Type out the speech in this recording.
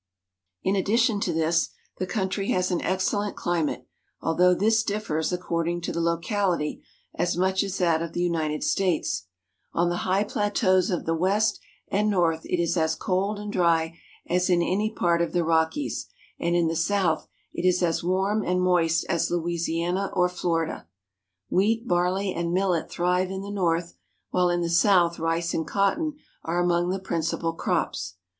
In addition to this, the country has an excellent climate, although this differs, according to the locality, as much as that of the United States. On the high plateaus of the west and north it is as cold and dry as in any part of the Rockies, and in the south it is as warm and moist as On the coid highlands the people wear sheepskins in winter." GENERAL VIEW II3 Louisiana or Florida. Wheat, barley, and millet thrive in the north, while in the south rice and cotton are among the principal crops.